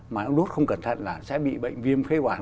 mà nó đốt không cẩn thận là sẽ bị bệnh viêm khế hoản